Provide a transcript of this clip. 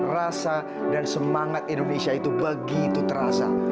rasa dan semangat indonesia itu begitu terasa